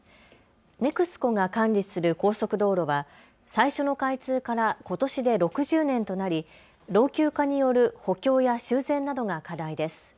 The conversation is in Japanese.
ＮＥＸＣＯが管理する高速道路は最初の開通からことしで６０年となり老朽化による補強や修繕などが課題です。